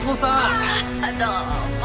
ああどうも。